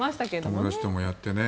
友達ともやってね。